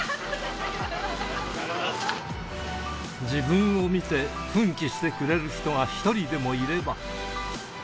自分を見て奮起してくれる人が１人でもいれば。